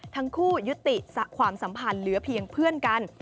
ทั้งคู่ยุติความสัมพันธ์เหลือเพียงเพื่อนกัน